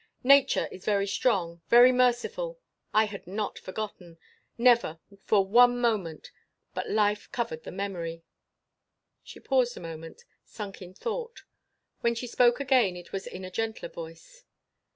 "Nature is very strong, very merciful. I had not forgotten! Never, for one moment! But life covered the memory." She paused a moment, sunk in thought. When she spoke again it was in a gentler voice.